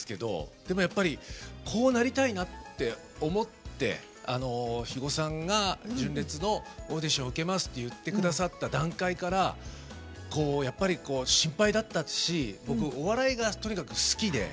でもやっぱりこうなりたいなって思って肥後さんが、純烈のオーディションを受けますって言ってくださった段階からやっぱり心配だったし僕、お笑いがとにかく好きで。